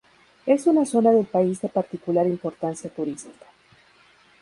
Es una zona del país de particular importancia turística.